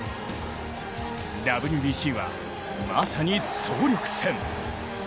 ＷＢＣは、まさに総力戦。